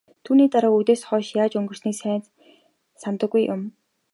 Түүний дараа үдээс хойш яаж өнгөрснийг сайн санадаггүй юм.